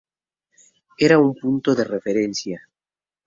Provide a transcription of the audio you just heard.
Era un punto de referencia.